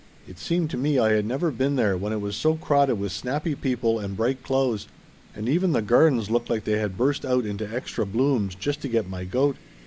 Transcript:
It seemed to me I had never been there when it was so crowded with snappy people and bright clothes, and even the gardens looked like they had burst out into extra blooms just to get my goat.